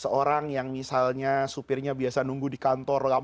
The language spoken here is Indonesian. seorang yang misalnya supirnya biasa nunggu di kantor